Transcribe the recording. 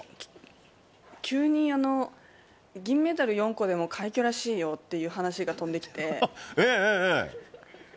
急に銀メダル４個でも快挙らしいよという話が飛んできて。